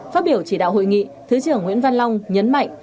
phát biểu chỉ đạo hội nghị thứ trưởng nguyễn văn long nhấn mạnh